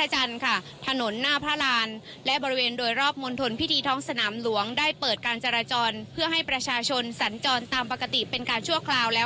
รักท่านในโลกนี้คงใส่ยังไม่มีอีกแล้ว